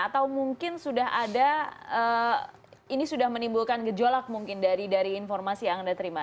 atau mungkin sudah ada ini sudah menimbulkan gejolak mungkin dari informasi yang anda terima